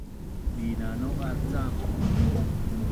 Binanau’az cam